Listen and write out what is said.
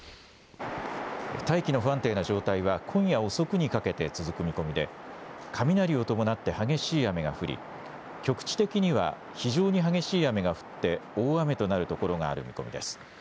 大気の不安定な状態は今夜遅くにかけて続く見込みで雷を伴って激しい雨が降り局地的には非常に激しい雨が降って大雨となるところがある見込みです。